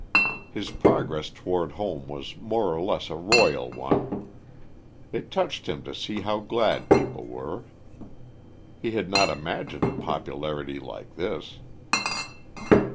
His progress toward home was more or less a royal one. It touched him to see how glad people were. He had not imagined a popularity like this.